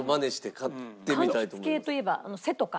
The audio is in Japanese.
柑橘系といえばせとか。